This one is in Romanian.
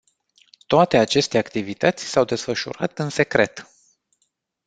Toate aceste activități s-au desfășurat în secret.